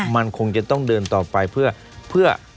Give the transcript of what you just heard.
มันคงจะต้องเดินต่อไปเพื่อ